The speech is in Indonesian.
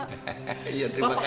bapak paling suka jeruk pecel ya